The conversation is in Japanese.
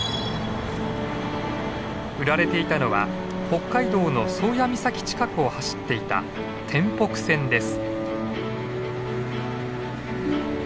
売られていたのは北海道の宗谷岬近くを走っていた天北線です。